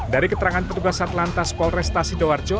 dari keterangan petugas atlantas polresta sidoarjo